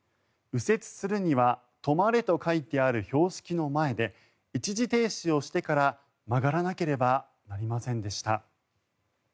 右折するには「止まれ」と書いてある標識の前で一時停止をしてから曲がらなければなりませんでした。